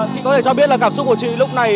chị có thể cho biết là cảm xúc của chị lúc này